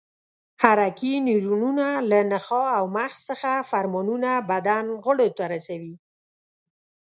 حرکي نیورونونه له نخاع او مغز څخه فرمانونه بدن غړو ته رسوي.